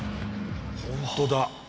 ホントだ。